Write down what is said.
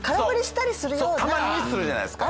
たまにミスするじゃないですか。